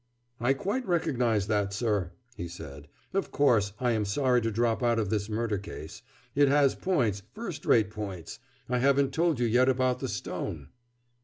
"I quite recognize that, sir," he said. "Of course, I am sorry to drop out of this murder case. It has points, first rate points. I haven't told you yet about the stone."